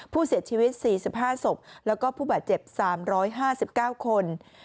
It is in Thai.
ผู้เสียชีวิต๔๕ศพแล้วก็ผู้บาดเจ็บ๓๕๙คน